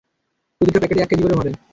প্রতিটা প্যাকেটে এক কেজি করে ভর।